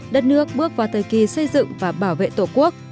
đất nước bước vào thời kỳ xây dựng và bảo vệ tổ quốc